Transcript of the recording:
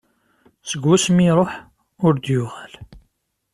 Seg wasmi i iruḥ ur d-yuɣal.